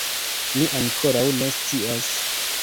Ni ankoraŭ ne scias